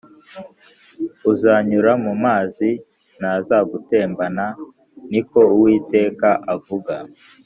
uzanyura mu amazi ntazagutembana niko uwitega avuga